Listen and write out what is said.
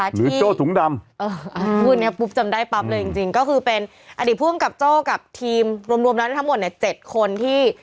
โจ้ถุงดำพูดนี้ปุ๊บจำได้ปั๊บเลยจริงก็คือเป็นอดีตภูมิกับโจ้กับทีมรวมแล้วทั้งหมดเนี่ย๗คนที่